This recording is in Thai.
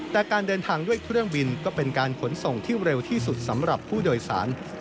แต่การเดินทางด้วยเครื่องบินก็เป็นการขนส่งที่เร็วที่สุดสำหรับผู้โดยสาร